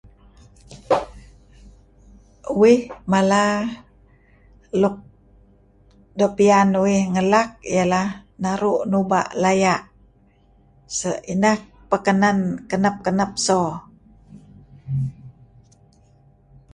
Uih mala luk doo' piyan uih ngelak ialah naru' nuba' laya' ineh pek kenen kenep-kenep so.